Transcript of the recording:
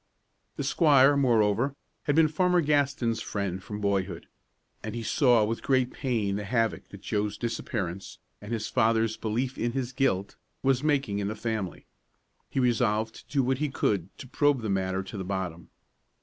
The squire, moreover, had been Farmer Gaston's friend from boyhood, and he saw with great pain the havoc which Joe's disappearance, and his father's belief in his guilt, was making in the family. He resolved to do what he could to probe the matter to the bottom.